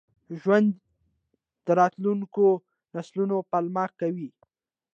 ژوندي د راتلونکو نسلونو پالنه کوي